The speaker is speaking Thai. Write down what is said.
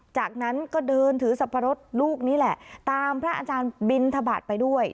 จากนั้นก็เดินถือสับปะรดลูกนี้แหละตามพระอาจารย์บินทบาทไปด้วย